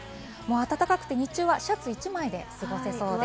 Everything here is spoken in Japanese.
暖かく、日中はシャツ１枚で過ごせそうです。